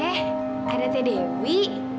eh ada teh dewi